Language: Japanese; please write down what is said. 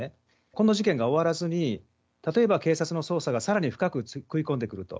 この事件が終わらずに、例えば警察の捜査がさらに深く食い込んでくると。